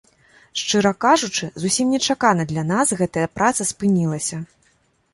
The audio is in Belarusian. Шчыра кажучы, зусім нечакана для нас гэтая праца спынілася.